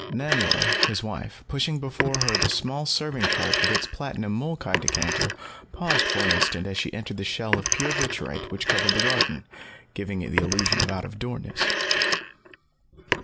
Nanlo, his wife, pushing before her the small serving cart with its platinum molkai decanter, paused for an instant as she entered the shell of pure vitrite which covered the garden, giving it the illusion of out of doorness.